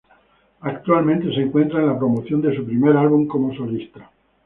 Actualmente se encuentra en la promoción de su primer álbum como solista.